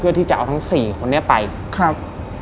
เพื่อที่จะเอาทั้งสี่คนนี้ไปครับ